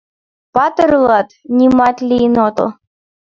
— Патыр улат, нимат лийын отыл...